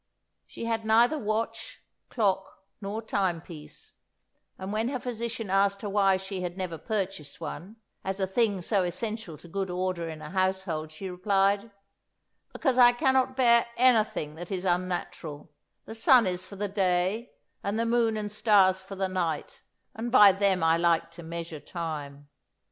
She had neither watch, clock, nor timepiece; and when her physician asked her why she had never purchased one, as a thing so essential to good order in a household, she replied, "Because I cannot bear anything that is unnatural; the sun is for the day, and the moon and stars for the night, and by them I like to measure time."